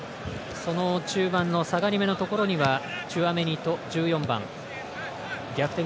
その中盤の下がりめのところにはチュアメニと１４番逆転